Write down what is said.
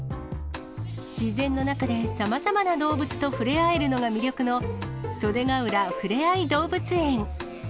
自然の中でさまざまな動物とふれあえるのが魅力の、袖ヶ浦ふれあいどうぶつ縁。